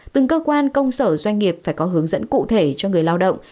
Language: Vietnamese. từng cơ quan công sở doanh nghiệp phải có hướng dẫn cụ thể cho người lao động